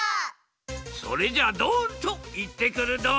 それじゃあドンといってくるドン！